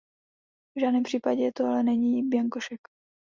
V žádném případě to ale není bianko šek.